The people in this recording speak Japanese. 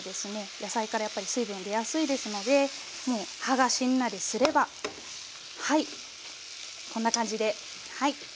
野菜からやっぱり水分出やすいですのでもう葉がしんなりすればはいこんな感じではい。